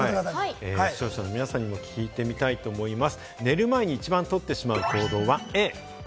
視聴者の皆さんにも聞いてみたいと思います。